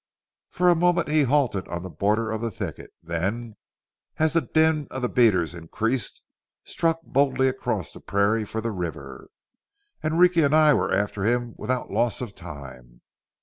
For a moment he halted on the border of the thicket: then, as the din of the beaters increased, struck boldly across the prairie for the river. Enrique and I were after him without loss of time.